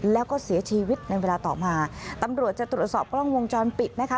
แล้วก็เสียชีวิตในเวลาต่อมาตำรวจจะตรวจสอบกล้องวงจรปิดนะคะ